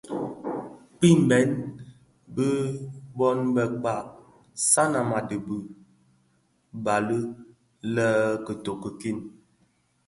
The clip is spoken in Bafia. Kpimbèn bi bōn bë Mkpag. Sanam a dhi bi bali I kitoňèn ki.